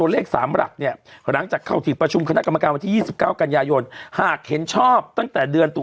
เรื่องอะไรดีกะเรื่องบอยย์เมื่อกี้